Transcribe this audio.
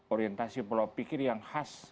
orientasi pulau pikir yang khas